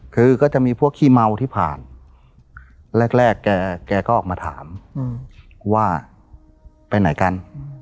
คือก็จะมีพวกขี้เมาที่ผ่านแรกแกก็ออกมาถามว่าไปไหนกัน